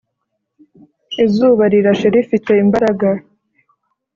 Izuba rirashe rifite imbaraga